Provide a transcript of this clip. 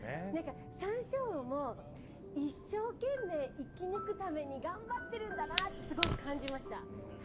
何かサンショウウオも一生懸命生き抜くために頑張ってるんだなってすごい感じました。